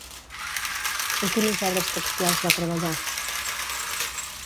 En quines obres textuals va treballar?